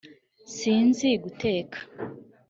sinzi guteka